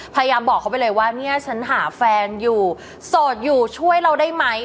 พยายามบอกเขาไปเลยว่าเนี่ยฉันหาแฟนอยู่โสดอยู่ช่วยเราได้ไหม